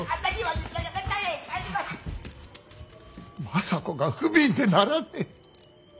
政子が不憫でならねえ。